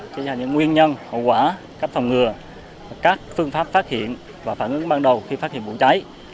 cho ra những nguyên nhân hậu quả cách phòng ngừa các phương pháp phát hiện và phản ứng ban đầu khi phát hiện vụ cháy